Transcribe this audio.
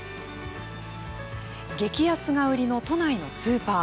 激安が売りの都内のスーパー。